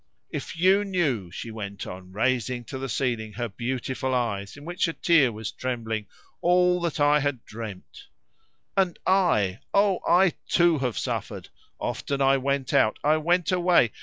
"If you knew," she went on, raising to the ceiling her beautiful eyes, in which a tear was trembling, "all that I had dreamed!" "And I! Oh, I too have suffered! Often I went out; I went away.